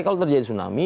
kalau terjadi tsunami